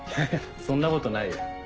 そんなことないよ。